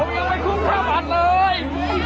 หักบ่อยไม่ถนกเลย